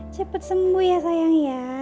cepat sembuh ya sayang ya